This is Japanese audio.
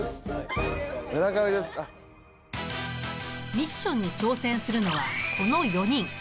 ミッションに挑戦するのはこの４人。